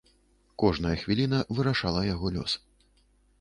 Кожная хвіліна вырашала яго лёс.